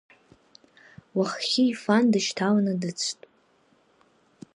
Уаххьы ифан дышьҭаланы дыцәт.